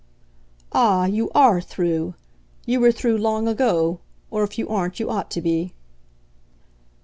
"Ah, you ARE through you were through long ago. Or if you aren't you ought to be."